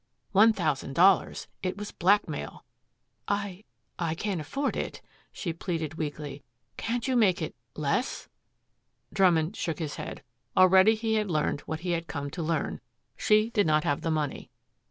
One thousand dollars! It was blackmail. "I I can't afford it," she pleaded weakly. "Can't you make it less?" Drummond shook his head. Already he had learned what he had come to learn. She did not have the money.